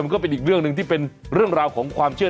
ก็เป็นอีกเรื่องหนึ่งที่เป็นเรื่องราวของความเชื่อ